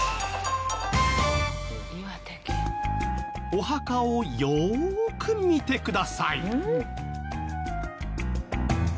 お墓をよく見てください。